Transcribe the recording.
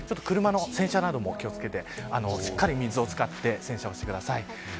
車の洗車なども気を付けてしっかり水を使って洗車してください。